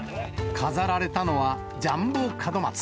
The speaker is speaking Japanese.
飾られたのはジャンボ門松。